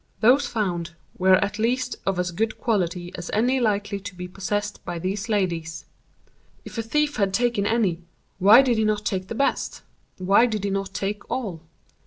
Those found were at least of as good quality as any likely to be possessed by these ladies. If a thief had taken any, why did he not take the best—why did he not take all?